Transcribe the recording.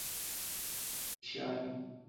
尼泊尔野桐为大戟科野桐属下的一个种。